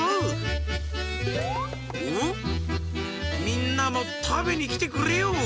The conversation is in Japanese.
みんなもたべにきてくれよう！